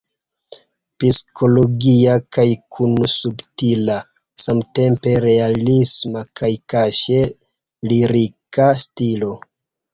Psikologia kaj kun subtila samtempe realisma kaj kaŝe lirika stilo.